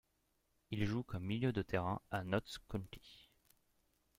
Il joue comme milieu de terrain à Notts County.